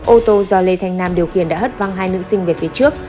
ô tô do lê thanh nam điều khiển đã hất văng hai nữ sinh về phía trước